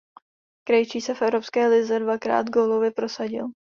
Krejčí se v Evropské lize dvakrát gólově prosadil.